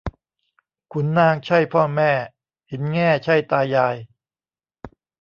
ขุนนางใช่พ่อแม่ หินแง่ใช่ตายาย